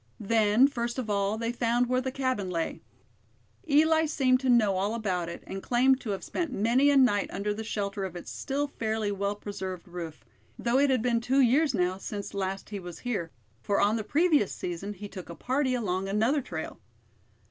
Then, first of all, they found where the cabin lay. Eli seemed to know all about it, and claimed to have spent many a night under the shelter of its still fairly well preserved roof; though it had been two years now since last he was here; for on the previous season he took a party along another trail.